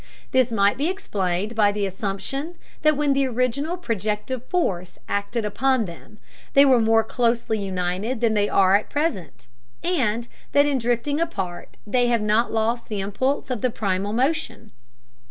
This might be explained by the assumption that when the original projective force acted upon them they were more closely united than they are at present, and that in drifting apart they have not lost the impulse of the primal motion.